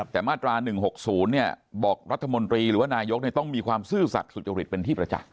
แต่มาตรา๑๖๐บอกรัฐมนตรีหรือว่านายกต้องมีความซื่อสัตว์สุจริตเป็นที่ประจักษ